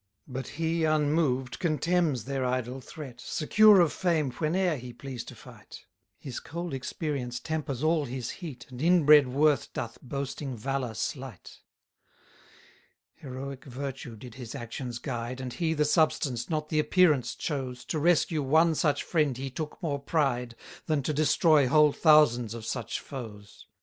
115 But he, unmoved, contemns their idle threat, Secure of fame whene'er he please to fight: His cold experience tempers all his heat, And inbred worth doth boasting valour slight. 116 Heroic virtue did his actions guide, And he the substance, not the appearance chose To rescue one such friend he took more pride, Than to destroy whole thousands of such foes.